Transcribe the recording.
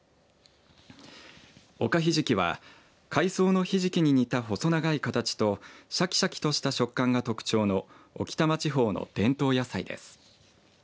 おかひじきは海藻のひじきに似た細長い形としゃきしゃきとした食感が特徴の置賜地方の伝統野菜です。